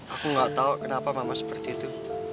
aku gak tau kenapa mama seperti itu